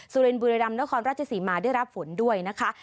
ศุลินบุรีรัมณ์นครราชศรีมาร์ได้รับฝนด้วยนะคะ